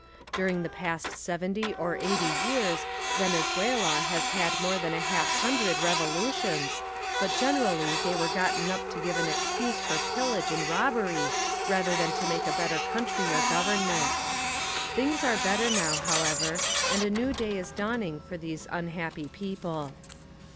During the past seventy or eighty years Venezuela has had more than a half hundred revolutions but generally they were gotten up to give an excuse for pillage and robbery rather than to make a better country or government. Things are better now, however, and a new day is dawning for these unhappy people.